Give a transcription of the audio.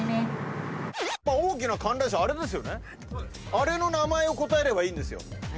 あれの名前を答えればいいんですよ。